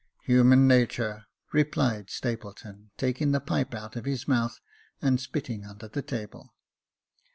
*' Human natur," replied Stapleton, taking the pipe out of his mouth, and spitting under the table.